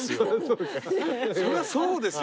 そりゃそうですよ。